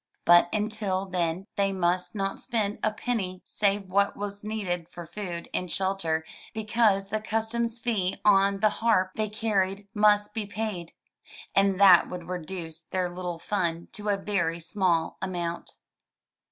But until then they must not spend a penny save what was needed for food and shelter, because the customs fee on the harp they carried must be paid, and that would reduce their little fund to a very small amount.